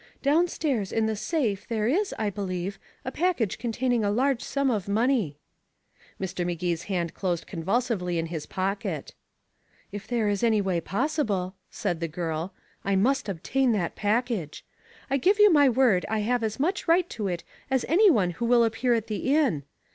Down stairs in the safe there is, I believe, a package containing a large sum of money." Mr. Magee's hand closed convulsively in his pocket. "If there is any way possible," said the girl, "I must obtain that package. I give you my word I have as much right to it as any one who will appear at the inn.